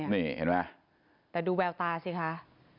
นี่เห็นไหมแต่ดูแววตาสิคะ